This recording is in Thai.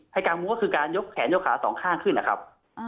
กลางมุมก็คือการยกแขนยกขาสองข้างขึ้นนะครับ